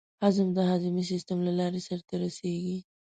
هضم د هضمي سیستم له لارې سر ته رسېږي.